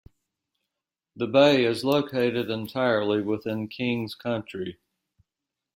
The bay is located entirely within Kings County.